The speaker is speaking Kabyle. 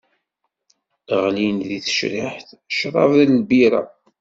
Ɣlin di tecriḥt, ccrab d lbirra.